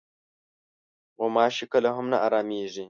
غوماشې کله هم نه ارامېږي.